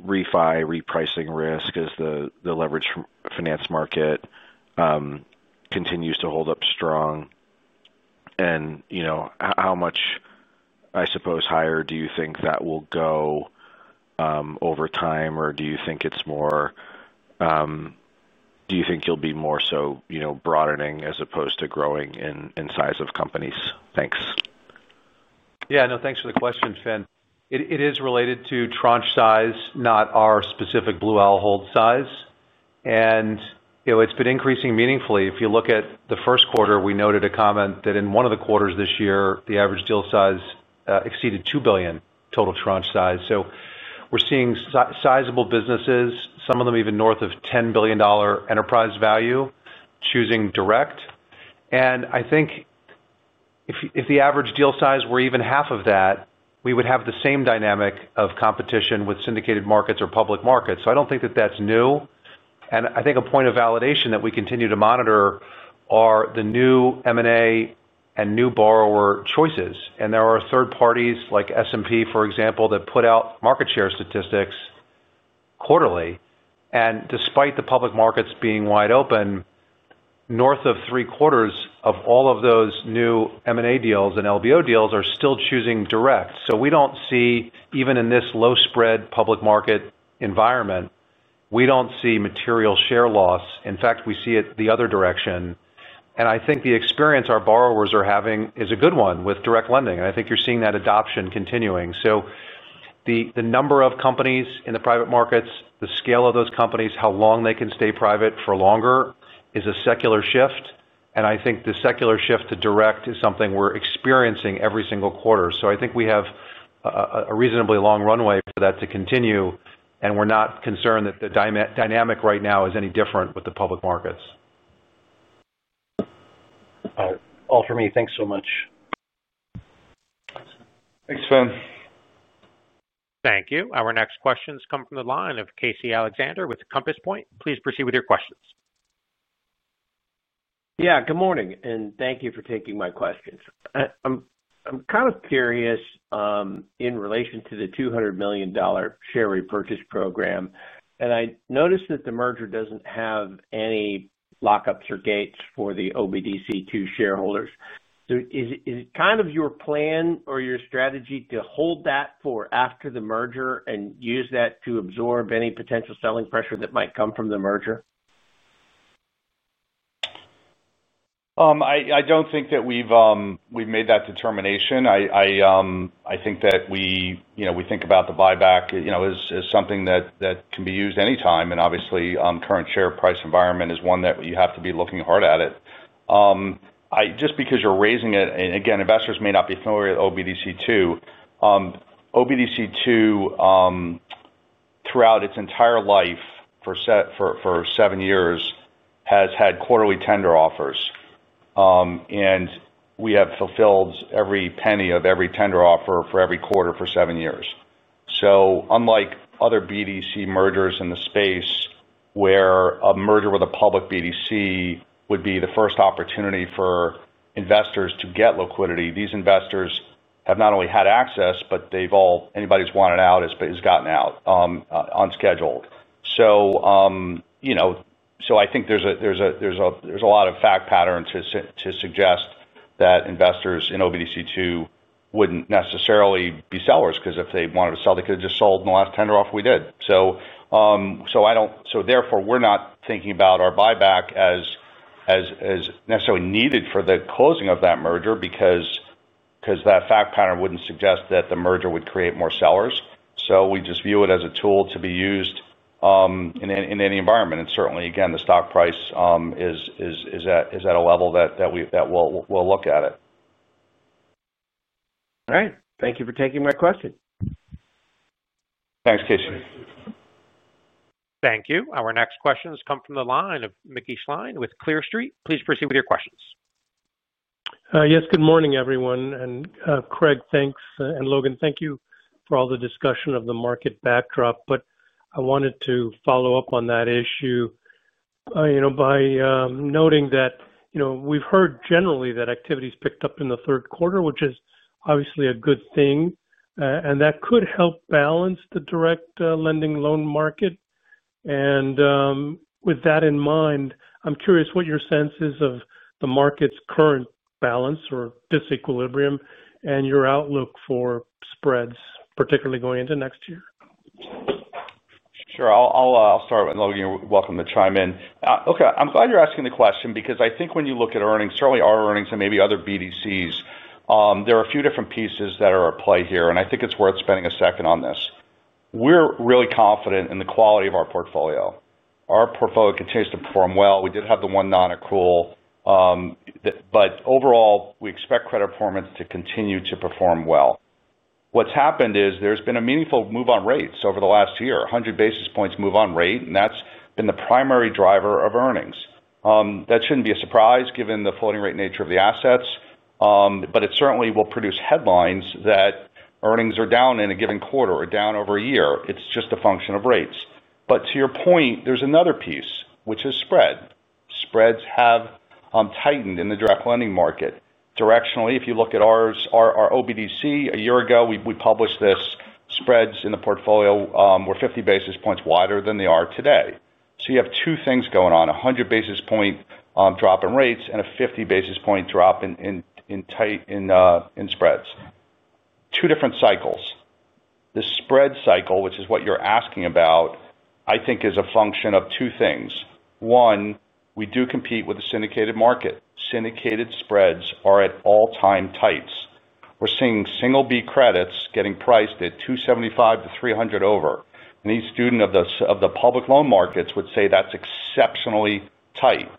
refi, repricing risk as the leveraged finance market continues to hold up strong? How much, I suppose, higher do you think that will go over time, or do you think it's more—do you think you'll be more so broadening as opposed to growing in size of companies? Thanks. Yeah. No, thanks for the question, Fin. It is related to tranche size, not our specific Blue Owl hold size. And it's been increasing meaningfully. If you look at the first quarter, we noted a comment that in one of the quarters this year, the average deal size exceeded $2 billion total tranche size. We are seeing sizable businesses, some of them even north of $10 billion Enterprise Value, choosing direct. I think if the average deal size were even half of that, we would have the same dynamic of competition with syndicated markets or public markets. I do not think that that's new. I think a point of validation that we continue to monitor are the new M&A and new borrower choices. There are third parties like S&P, for example, that put out market share statistics quarterly. Despite the public markets being wide open. North of three quarters of all of those new M&A deals and LBO deals are still choosing direct. We do not see, even in this low-spread public market environment, material share loss. In fact, we see it the other direction. I think the experience our borrowers are having is a good one with direct lending. I think you are seeing that adoption continuing. The number of companies in the private markets, the scale of those companies, how long they can stay private for longer is a secular shift. I think the secular shift to direct is something we are experiencing every single quarter. I think we have a reasonably long runway for that to continue. We are not concerned that the dynamic right now is any different with the public markets. All for me. Thanks so much. Thanks, Fin. Thank you. Our next question has come from the line of Casey Alexander with Compass Point. Please proceed with your questions. Yeah. Good morning. Thank you for taking my questions. I'm kind of curious. In relation to the $200 million Share Repurchase Program. I noticed that the Merger doesn't have any lockups or gates for the OBDC II shareholders. Is it kind of your plan or your strategy to hold that for after the Merger and use that to absorb any potential selling pressure that might come from the Merger? I don't think that we've made that determination. I think that we think about the buyback as something that can be used anytime. Obviously, the current share price environment is one that you have to be looking hard at it. Just because you're raising it, and again, investors may not be familiar with OBDC II. OBDC II, throughout its entire life, for seven years, has had quarterly tender offers. We have fulfilled every penny of every tender offer for every quarter for seven years. Unlike other BDC Mergers in the space, where a Merger with a public BDC would be the first opportunity for investors to get liquidity, these investors have not only had access, but anybody who's wanted out has gotten out on schedule. I think there's a lot of fact pattern to suggest that investors in OBDC II wouldn't necessarily be sellers because if they wanted to sell, they could have just sold in the last tender offer we did. Therefore, we're not thinking about our buyback as necessarily needed for the closing of that Merger because that fact pattern wouldn't suggest that the Merger would create more sellers. We just view it as a tool to be used in any environment. Certainly, again, the stock price is at a level that we'll look at it. All right. Thank you for taking my question. Thanks, Casey. Thank you. Our next question has come from the line of Mickey Schleien with Clear Street. Please proceed with your questions. Yes. Good morning, everyone. Craig, thanks. Logan, thank you for all the discussion of the market backdrop. I wanted to follow up on that issue by noting that we've heard generally that activity has picked up in the third quarter, which is obviously a good thing. That could help balance the direct lending loan market. With that in mind, I'm curious what your sense is of the market's current balance or disequilibrium and your outlook for spreads, particularly going into next year. Sure. I'll start with Logan. You're welcome to chime in. Okay. I'm glad you're asking the question because I think when you look at earnings, certainly our earnings and maybe other BDCs, there are a few different pieces that are at play here. I think it's worth spending a second on this. We're really confident in the quality of our Portfolio. Our Portfolio continues to perform well. We did have the one-to-one accrual. Overall, we expect credit performance to continue to perform well. What's happened is there's been a meaningful move on rates over the last year, 100 basis points move on rate. That's been the primary driver of earnings. That shouldn't be a surprise given the floating rate nature of the assets. It certainly will produce headlines that earnings are down in a given quarter or down over a year. It's just a function of rates. To your point, there's another piece, which is spread. Spreads have tightened in the direct lending market. Directionally, if you look at our OBDC, a year ago, we published this. Spreads in the Portfolio were 50 basis points wider than they are today. You have two things going on: a 100 basis point drop in rates and a 50 basis point drop in spreads. Two different cycles. The spread cycle, which is what you're asking about, I think, is a function of two things. One, we do compete with the syndicated market. Syndicated spreads are at all-time tights. We're seeing single B credits getting priced at 275-300 over. Any student of the public loan markets would say that's exceptionally tight.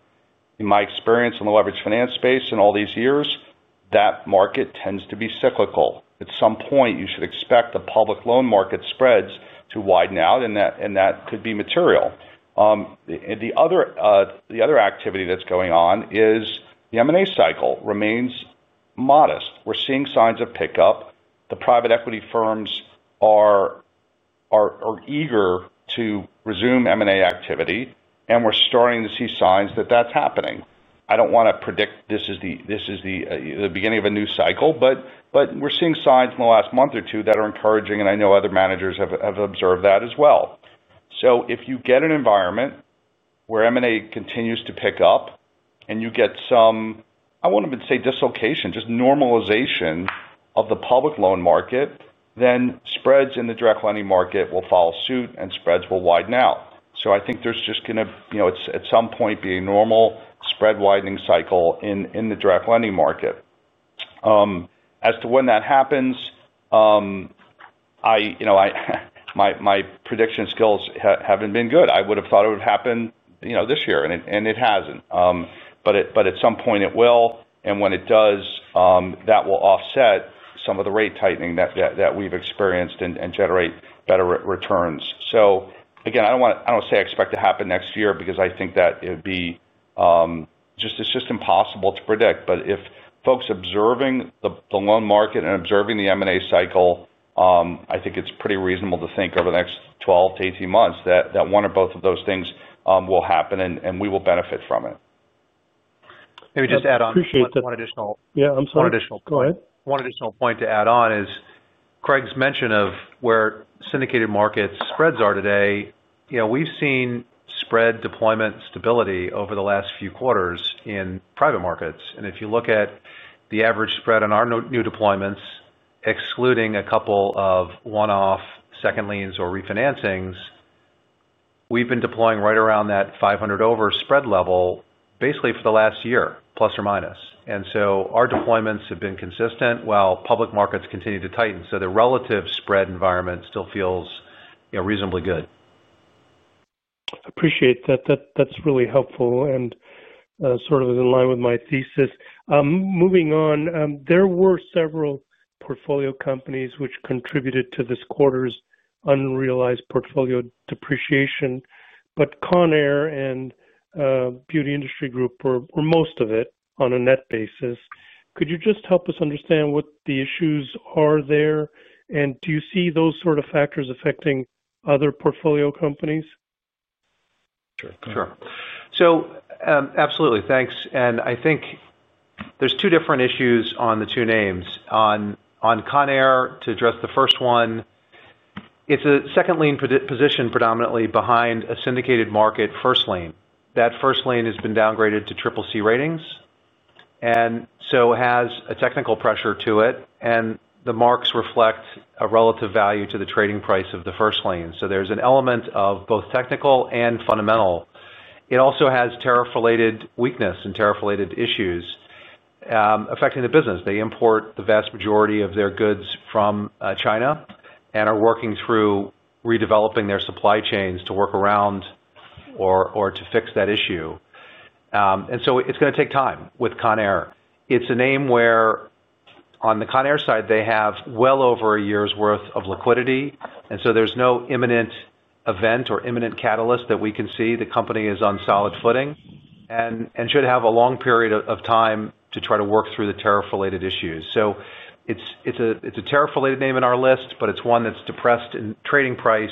In my experience in the leverage finance space in all these years, that market tends to be cyclical. At some point, you should expect the public loan market spreads to widen out, and that could be material. The other activity that's going on is the M&A cycle remains modest. We're seeing signs of pickup. The private equity firms are eager to resume M&A activity, and we're starting to see signs that that's happening. I don't want to predict this is the beginning of a new cycle, but we're seeing signs in the last month or two that are encouraging. I know other managers have observed that as well. If you get an environment where M&A continues to pick up and you get some, I won't even say dislocation, just normalization of the public loan market, then spreads in the direct lending market will follow suit and spreads will widen out. I think there's just going to, at some point, be a normal spread widening cycle in the direct lending market. As to when that happens. My prediction skills haven't been good. I would have thought it would happen this year, and it hasn't. At some point, it will. When it does, that will offset some of the rate tightening that we've experienced and generate better returns. Again, I don't want to say I expect it to happen next year because I think that it would be just impossible to predict. If folks are observing the loan market and observing the M&A cycle, I think it's pretty reasonable to think over the next 12-18 months that one or both of those things will happen and we will benefit from it. Maybe just add on. Appreciate that. One additional. Yeah. I'm sorry. One additional point. Go ahead. One additional point to add on is Craig's mention of where syndicated market spreads are today. We've seen spread deployment stability over the last few quarters in private markets. If you look at the average spread on our new deployments, excluding a couple of one-off second liens or refinancings, we've been deploying right around that 500 over spread level basically for the last year, plus or minus. Our deployments have been consistent while public markets continue to tighten. The relative spread environment still feels reasonably good. Appreciate that. That's really helpful and sort of in line with my thesis. Moving on, there were several Portfolio companies which contributed to this quarter's unrealized Portfolio depreciation. Conair and Beauty Industry Group were most of it on a net basis. Could you just help us understand what the issues are there? Do you see those sort of factors affecting other Portfolio companies? Sure. Sure. Absolutely. Thanks. I think there are two different issues on the two names. On Conair, to address the first one, it is a second lien position predominantly behind a syndicated market first lien. That first lien has been downgraded to CCC ratings, so it has a technical pressure to it. The marks reflect a relative value to the trading price of the first lien, so there is an element of both technical and fundamental. It also has tariff-related weakness and tariff-related issues affecting the business. They import the vast majority of their goods from China and are working through redeveloping their supply chains to work around or to fix that issue. It is going to take time with Conair. It is a name where, on the Conair side, they have well over a year's worth of liquidity. There is no imminent event or imminent catalyst that we can see. The company is on solid footing and should have a long period of time to try to work through the tariff-related issues. It is a tariff-related name in our list, but it is one that is depressed in trading price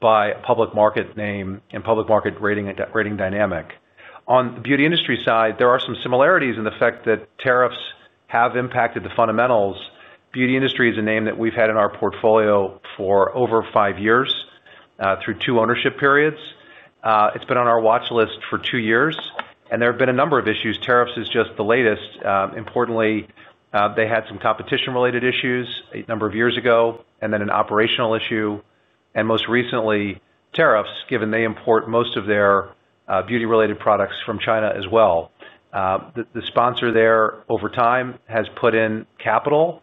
by a public market name and public market rating dynamic. On the Beauty Industry side, there are some similarities in the fact that tariffs have impacted the fundamentals. Beauty Industry is a name that we have had in our Portfolio for over five years. Through two ownership periods. It has been on our watch list for two years. There have been a number of issues. Tariffs is just the latest. Importantly, they had some competition-related issues a number of years ago and then an operational issue. Most recently, tariffs, given they import most of their beauty-related products from China as well. The sponsor there over time has put in capital.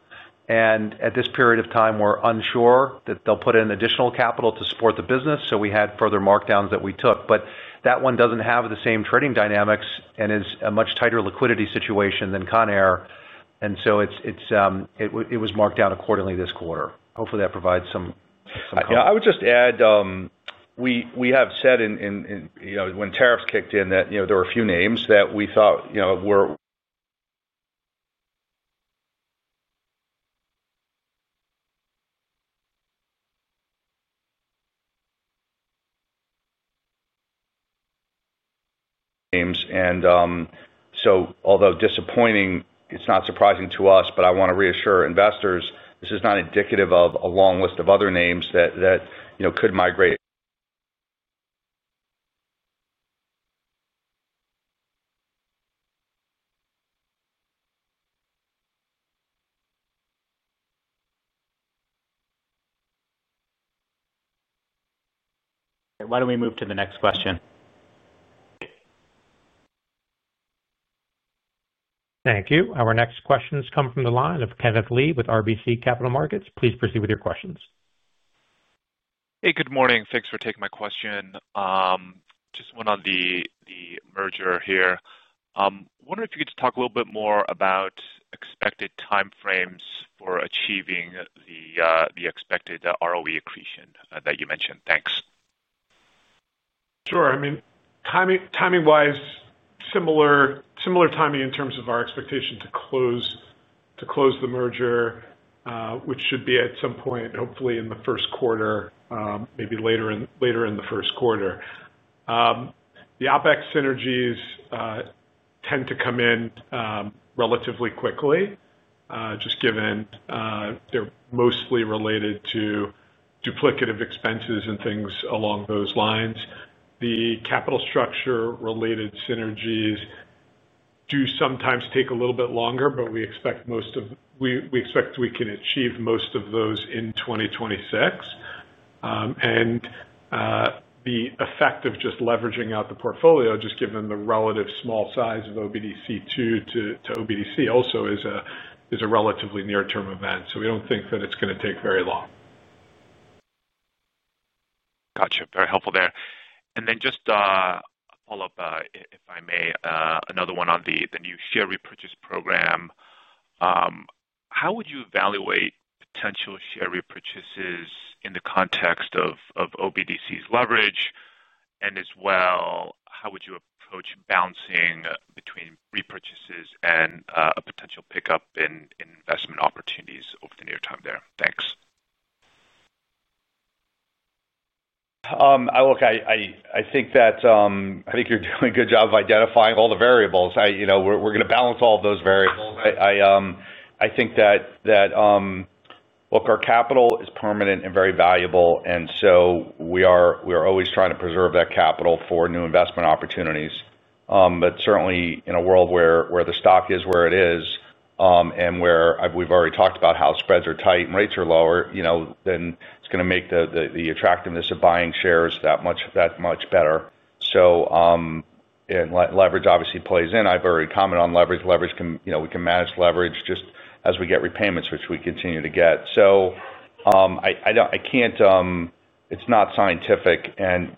At this period of time, we're unsure that they'll put in additional capital to support the business. We had further markdowns that we took. That one does not have the same trading dynamics and is a much tighter liquidity situation than Conair. It was marked down accordingly this quarter. Hopefully, that provides some help. Yeah. I would just add. We have said when tariffs kicked in that there were a few names that we thought were names. Although disappointing, it's not surprising to us, but I want to reassure investors, this is not indicative of a long list of other names that could migrate. Why don't we move to the next question? Thank you. Our next questions come from the line of Kenneth Lee with RBC Capital Markets. Please proceed with your questions. Hey, good morning. Thanks for taking my question. Just one on the Merger here. Wondering if you could talk a little bit more about expected timeframes for achieving the expected ROE accretion that you mentioned. Thanks. Sure. I mean, timing-wise, similar. Timing in terms of our expectation to close. The Merger, which should be at some point, hopefully, in the first quarter, maybe later in the first quarter. The OpEx synergies tend to come in relatively quickly, just given they're mostly related to duplicative expenses and things along those lines. The capital structure-related synergies do sometimes take a little bit longer, but we expect we can achieve most of those in 2026. The effect of just leveraging out the Portfolio, just given the relative small size of OBDC II to OBDC, also is a relatively near-term event. We do not think that it's going to take very long. Gotcha. Very helpful there. Just a follow-up, if I may, another one on the new Share Repurchase Program. How would you evaluate potential share repurchases in the context of OBDC's leverage? As well, how would you approach balancing between repurchases and a potential pickup in investment opportunities over the near time there? Thanks. Look, I think you're doing a good job of identifying all the variables. We're going to balance all of those variables. I think that, look, our capital is permanent and very valuable. And we are always trying to preserve that capital for new investment opportunities. Certainly, in a world where the stock is where it is, and where we've already talked about how spreads are tight and rates are lower, it's going to make the attractiveness of buying shares that much better. Leverage obviously plays in. I've already commented on leverage. We can manage leverage just as we get repayments, which we continue to get. I can't, it's not scientific. I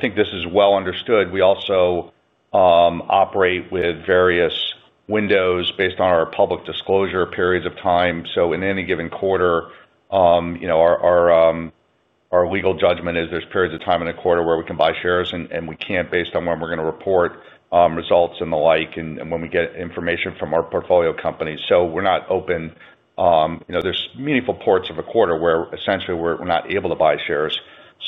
think this is well understood. We also operate with various windows based on our public disclosure periods of time. In any given quarter, our. Legal judgment is there's periods of time in a quarter where we can buy shares and we can't based on when we're going to report results and the like and when we get information from our Portfolio companies. So we're not open. There's meaningful parts of a quarter where essentially we're not able to buy shares.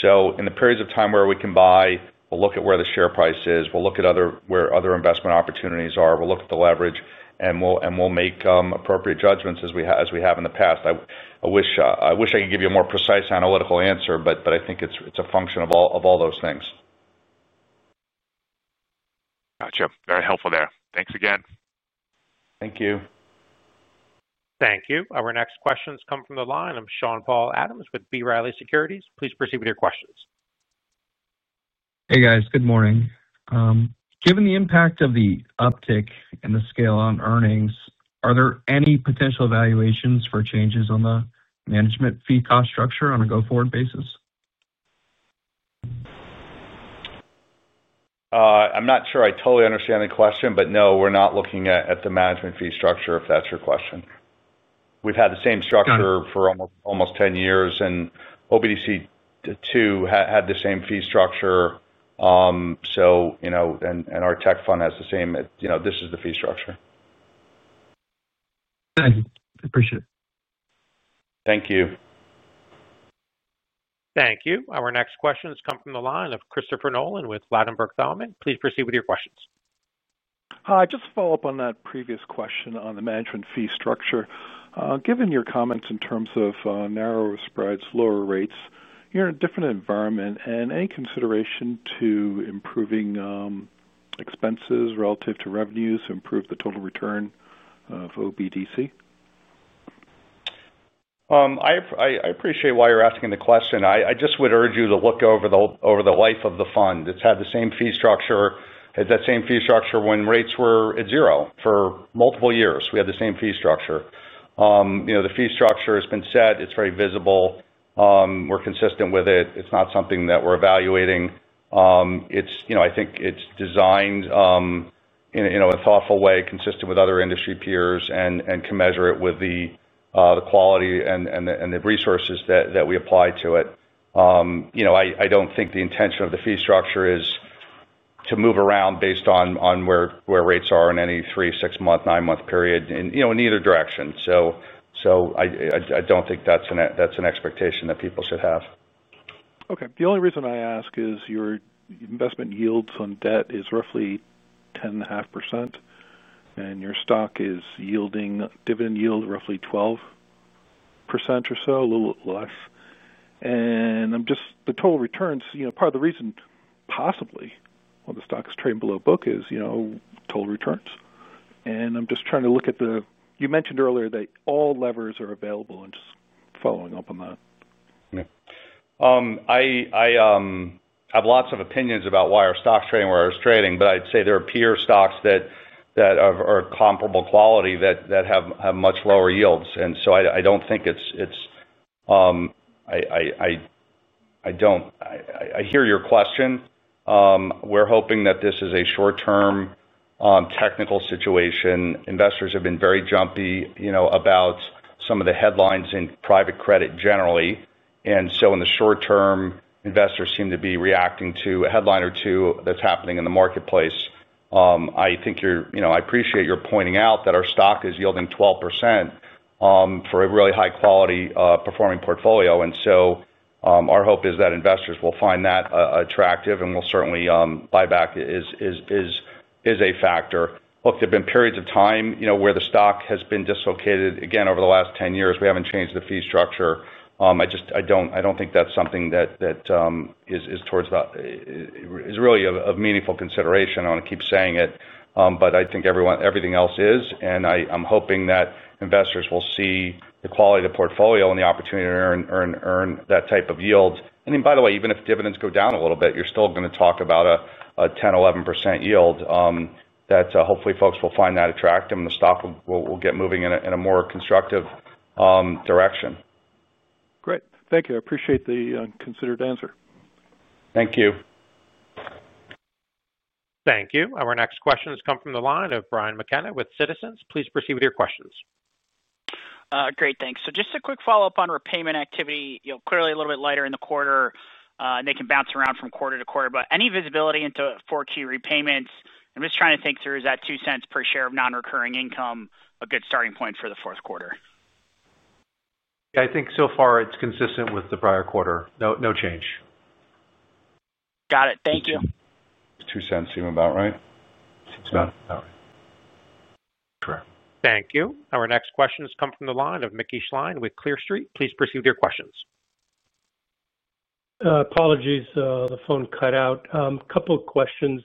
In the periods of time where we can buy, we'll look at where the share price is. We'll look at where other investment opportunities are. We'll look at the leverage, and we'll make appropriate judgments as we have in the past. I wish I could give you a more precise analytical answer, but I think it's a function of all those things. Gotcha. Very helpful there. Thanks again. Thank you. Thank you. Our next questions come from the line. I'm Sean-Paul Adams with B. Riley Securities. Please proceed with your questions. Hey, guys. Good morning. Given the impact of the uptick in the scale on earnings, are there any potential evaluations for changes on the management fee cost structure on a go-forward basis? I'm not sure I totally understand the question, but no, we're not looking at the management fee structure if that's your question. We've had the same structure for almost 10 years, and OBDC II had the same fee structure. Our tech fund has the same. This is the fee structure. Appreciate it. Thank you. Thank you. Our next questions come from the line of Christopher Nolan with Ladenburg Thalmann. Please proceed with your questions. Just to follow up on that previous question on the management fee structure, given your comments in terms of narrower spreads, lower rates, you're in a different environment. Any consideration to improving expenses relative to revenues to improve the total return of OBDC? I appreciate why you're asking the question. I just would urge you to look over the life of the Fund. It's had the same fee structure. It had that same fee structure when rates were at zero for multiple years. We had the same fee structure. The fee structure has been set. It's very visible. We're consistent with it. It's not something that we're evaluating. I think it's designed in a thoughtful way, consistent with other industry peers, and commensurate with the quality and the resources that we apply to it. I don't think the intention of the fee structure is to move around based on where rates are in any three, six-month, nine-month period, in either direction. I don't think that's an expectation that people should have. Okay. The only reason I ask is your investment yields on debt is roughly 10.5%. And your stock is yielding Dividend yield roughly 12% or so, a little less. And the total returns, part of the reason possibly why the stock is trading below book is total returns. And I'm just trying to look at the you mentioned earlier that all levers are available and just following up on that. I have lots of opinions about why our stock's trading where it's trading, but I'd say there are peer stocks that are comparable quality that have much lower yields. I don't think it's—I hear your question. We're hoping that this is a short-term technical situation. Investors have been very jumpy about some of the headlines in private credit generally. In the short term, investors seem to be reacting to a headline or two that's happening in the marketplace. I appreciate your pointing out that our stock is yielding 12% for a really high-quality performing Portfolio. Our hope is that investors will find that attractive and will certainly buy back. It is a factor. Look, there have been periods of time where the stock has been dislocated. Again, over the last 10 years, we haven't changed the fee structure. I do not think that is something that is really a meaningful consideration. I want to keep saying it, but I think everything else is. I am hoping that investors will see the quality of the Portfolio and the opportunity to earn that type of yield. By the way, even if Dividends go down a little bit, you are still going to talk about a 10%-11% yield. Hopefully folks will find that attractive and the stock will get moving in a more constructive direction. Great. Thank you. I appreciate the considered answer. Thank you. Thank you. Our next questions come from the line of Brian McKenna with Citizens. Please proceed with your questions. Great. Thanks. Just a quick follow-up on repayment activity. Clearly a little bit lighter in the quarter. They can bounce around from quarter to quarter. Any visibility into fourth quarter repayments? I'm just trying to think through. Is that $0.02 per share of non-recurring income a good starting point for the fourth quarter? Yeah. I think so far it's consistent with the prior quarter. No change. Got it. Thank you. Two cents seem about right. Seems about right. Correct. Thank you. Our next questions come from the line of Mickey Schleien with Clear Street. Please proceed with your questions. Apologies. The phone cut out. A couple of questions.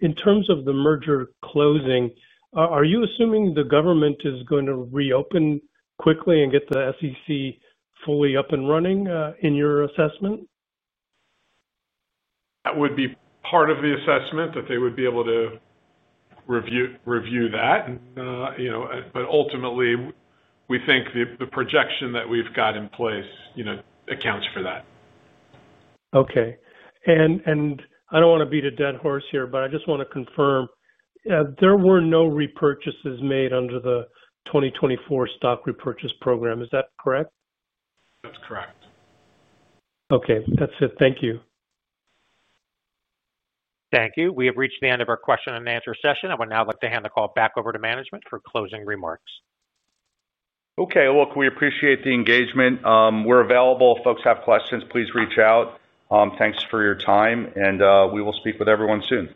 In terms of the Merger closing, are you assuming the government is going to reopen quickly and get the SEC fully up and running in your assessment? That would be part of the assessment that they would be able to review that. Ultimately, we think the projection that we've got in place accounts for that. Okay. I do not want to beat a dead horse here, but I just want to confirm. There were no repurchases made under the 2024 stock repurchase program. Is that correct? That's correct. Okay. That's it. Thank you. Thank you. We have reached the end of our question and answer session. I would now like to hand the call back over to management for closing remarks. Okay. Look, we appreciate the engagement. We're available. If folks have questions, please reach out. Thanks for your time. We will speak with everyone soon.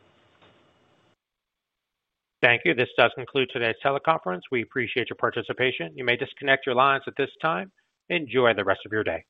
Thank you. This does conclude today's teleconference. We appreciate your participation. You may disconnect your lines at this time. Enjoy the rest of your day.